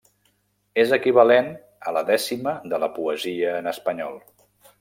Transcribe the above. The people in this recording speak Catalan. És equivalent a la dècima de la poesia en espanyol.